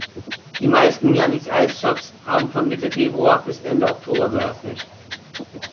Die meisten Janny’s Eis Shops haben von Mitte Februar bis Ende Oktober geöffnet.